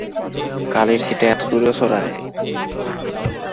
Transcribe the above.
কালির ছিটা এত দূরেও ছড়ায়!